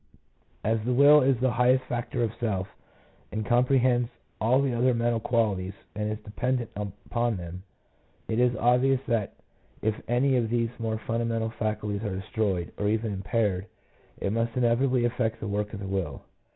As the will is the highest factor of self, and comprehends all the other mental qualities and is dependent on them, it is obvious that if any of these more funda mental faculties are destroyed or even impaired, it must inevitably affect the work of the will.